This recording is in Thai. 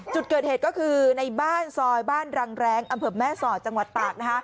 จุดเกิดเหตุก็คือในบ้านซอยบ้านรังแรงอำเภอแม่สอดจังหวัดตาก